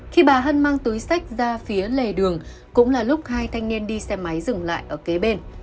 khi bà hân mang túi sách ra phía lề đường cũng là lúc hai thanh niên đi xe máy dừng lại ở kế bên